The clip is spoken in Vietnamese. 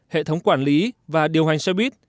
hệ thống quản lý và điều hành xe buýt